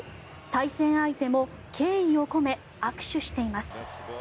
対戦相手も敬意を込め握手しています。